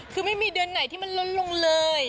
คือไม่มีเดือนไหนที่มันลดลงเลย